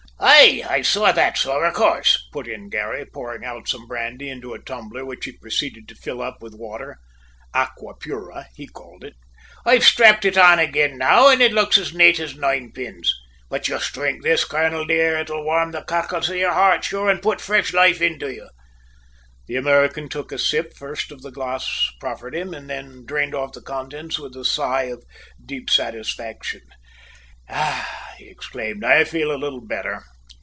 "Aye, I saw that, sor, of course," put in Garry, pouring out some brandy into a tumbler which he proceeded to fill up with water "aqua pura," he called it. "I've shtrapped it on ag'in now, and it looks as nate as ninepins. But jist dhrink this, colonel, dear. It'll warrm the cockles of your heart, sure, an' put frish loife into you!" The American took a sip first at the glass proffered him, and then drained off the contents with a deep sigh of satisfaction. "Ah!" he exclaimed, "I feel a little better.